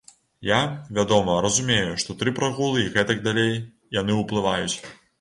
Я, вядома, разумею, што тры прагулы і гэтак далей, яны ўплываюць.